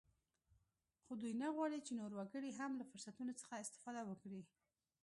خو دوی نه غواړ چې نور وګړي هم له فرصتونو څخه استفاده وکړي